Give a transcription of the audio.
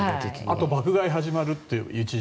あと爆買いが始まるという。